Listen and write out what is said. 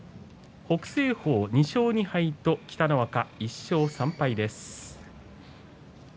北青鵬、２勝２敗と北の若、１勝３敗です。